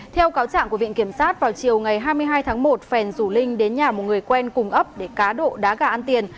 theo cáo trạng của viện kiểm sát vào chiều ngày hai mươi hai tháng một phèn rủ linh đến nhà một người quen cùng ấp để cá độ đá gà ăn tiền